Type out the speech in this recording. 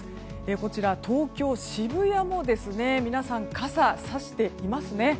こちら東京・渋谷も皆さん、傘さしていますね。